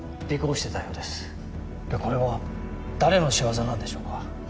これは誰の仕業なんでしょうか？